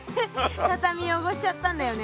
たたみよごしちゃったんだよね。